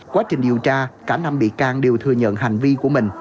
quá trình điều tra cả năm bị can đều thừa nhận hành vi của mình